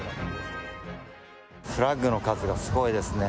フラッグの数がすごいですね。